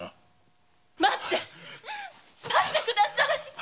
待って待ってください